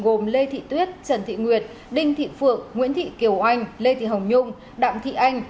gồm lê thị tuyết trần thị nguyệt đinh thị phượng nguyễn thị kiều anh lê thị hồng nhung đặng thị anh